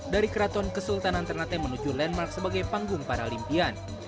dari keraton kesultanan ternate menuju landmark sebagai panggung paralimpian